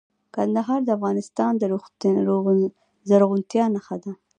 کندهار د افغانستان د زرغونتیا نښه ده.